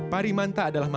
parimanta adalah mamat